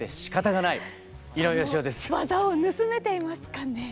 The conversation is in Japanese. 技を盗めていますかね？